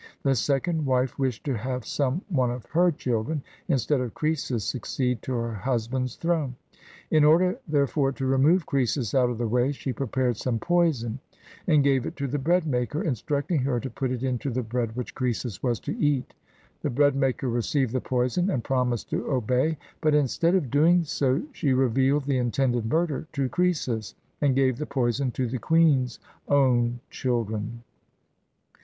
The second wife wished to have some one of her children, instead of Croesus, succeed to her husband's throne. In order, therefore, to remove Croesus out of the way, she prepared some poison and gave it to the bread maker, instructing her to put it into the bread which Croesus was to eat. The bread maker received the poison and promised to obey. But, instead of doing so, she revealed the intended murder to Croesus, and gave the poison to the queen's own children.